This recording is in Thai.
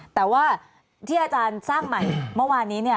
แต่ว่าที่อาจารย์สร้างใหม่เมื่อวานนี้